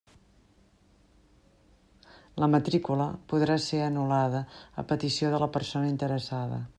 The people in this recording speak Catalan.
La matrícula podrà ser anul·lada a petició de la persona interessada.